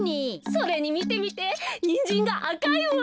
それにみてみてニンジンがあかいわ。